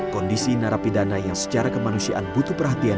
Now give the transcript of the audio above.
kondisi narapidana yang secara kemanusiaan butuh perhatian